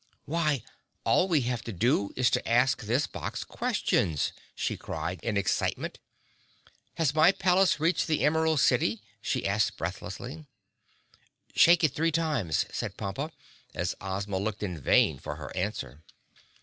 "Why, all we have to do is to ask this box questions," she cried in excitement. "Has my palace reached the Emerald City?" she asked breathlessly. "Shake it three times," said Pompa, as Ozma looked in vain for her answer.